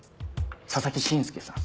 佐々木慎介さん